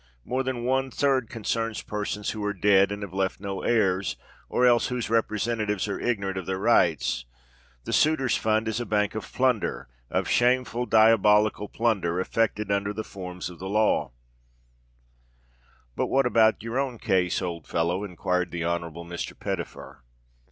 More than one third concerns persons who are dead and have left no heirs, or else whose representatives are ignorant of their rights. The Suitors' Fund is a bank of plunder—of shameful, diabolical plunder effected under the forms of the law!" "But what about your own case, old fellow?" enquired the Honourable Mr. Pettifer.